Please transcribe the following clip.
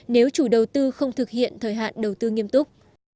nếu chủ đầu tư không thực hiện thời hạn đầu tư nghiêm túc